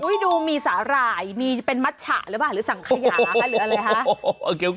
ดูมีสาหร่ายมีเป็นมัชฉะหรือเปล่าหรือสังขยาคะหรืออะไรคะ